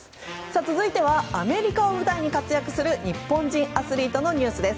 続いてはアメリカを舞台に活躍する日本人アスリートのニュースです。